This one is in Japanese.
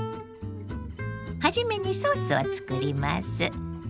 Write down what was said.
初めにソースを作ります。